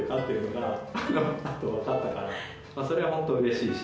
それはホントうれしいし。